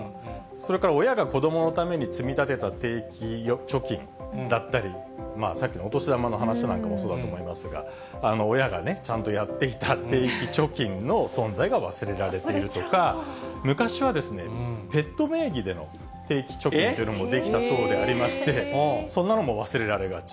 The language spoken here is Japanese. それから親が子どものために積み立てた定期貯金だったり、さっきのお年玉の話なんかもそうだと思いますが、親がちゃんとやっていた定期貯金の存在が忘れられているとか、昔はペット名義での定期貯金というのもできたそうでありまして、そんなのも忘れられがち。